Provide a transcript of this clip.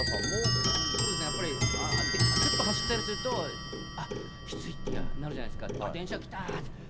そうですね、やっぱり、ちょっと走ったりすると、あっ、きついってなるじゃないですか。